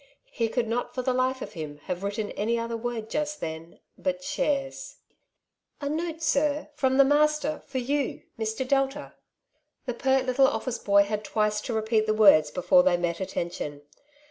He could not for the life of him have written any other word just then but " shares/' ''A note, sir, from the master, for you, Mr. Delta/' The pert little office boy had twice to repeat the words before they met attention.